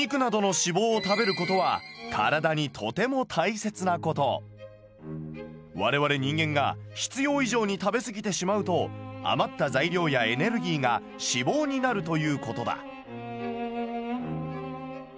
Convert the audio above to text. そうお肉などの我々人間が必要以上に食べ過ぎてしまうと余った材料やエネルギーが脂肪になるということだ。